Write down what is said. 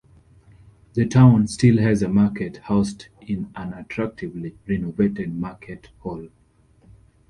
The town still has a market housed in an attractively renovated market hall.